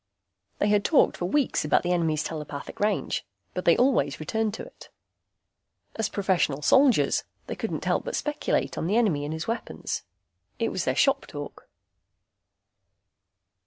They had talked for weeks about the enemy's telepathic range, but they always returned to it. As professional soldiers, they couldn't help but speculate on the enemy and his weapons. It was their shop talk.